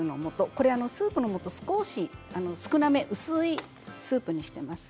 これは少し少なめ薄いスープにしています。